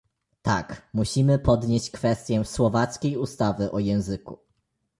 Tak, musimy podnieść kwestię słowackiej ustawy o języku